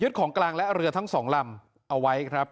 ของกลางและเรือทั้งสองลำเอาไว้ครับ